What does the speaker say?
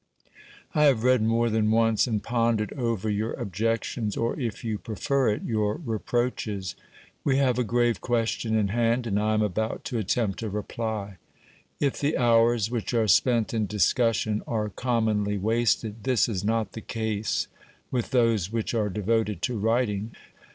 I have read more than once and pondered over your objections, or, if you prefer it, your reproaches ; we have a grave question in hand and I am about to attempt a reply. If the hours which are spent in discussion are commonly wasted, this is not the case with those which are devoted to writing.